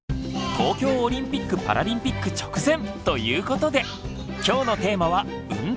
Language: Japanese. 東京オリンピック・パラリンピック直前ということで今日のテーマは運動！